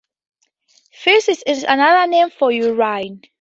Fesces is another name for urine.